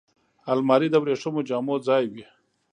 الماري د وریښمو جامو ځای وي